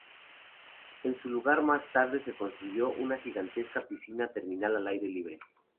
En su lugar más tarde se construyó una gigantesca piscina termal al aire libre.